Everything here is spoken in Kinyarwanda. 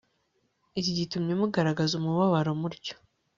iki gitumye mugaragaza umubabaro mutyo